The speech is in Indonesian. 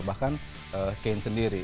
bahkan kane sendiri